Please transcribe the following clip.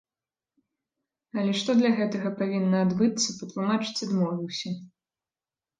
Але што для гэтага павінна адбыцца, патлумачыць адмовіўся.